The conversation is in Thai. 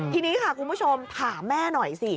ทีนี้ค่ะคุณผู้ชมถามแม่หน่อยสิ